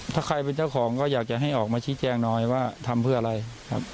ถ้าใครเป็นเจ้าของก็อยากจะให้ออกมาชี้แจงหน่อยว่าทำเพื่ออะไรครับ